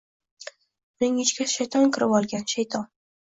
Uning ichiga shayton kirvolgan shayton